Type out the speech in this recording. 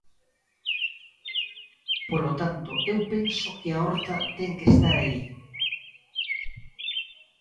Polo tanto, eu penso que a horta ten que estar aí.